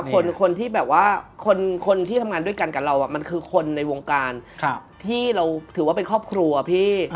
คนที่แบบว่าคนที่ทำงานด้วยกันกับเรามันคือคนในวงการที่เราถือว่าเป็นครอบครัวพี่